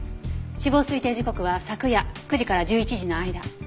死亡推定時刻は昨夜９時から１１時の間。